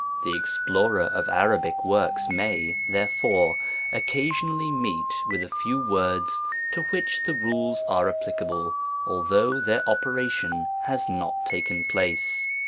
The explorer of Arabic works may, therefore, occasionally meet with a few words to which the rules are applicable, although their ope* ration has not taken place.